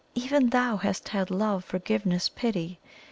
Even THOU hast had love, forgiveness, pity!